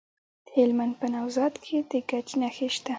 د هلمند په نوزاد کې د ګچ نښې شته.